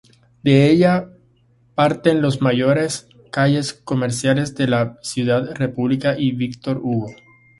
De ella parten las mayores calles comerciales de la ciudad, República y Víctor Hugo.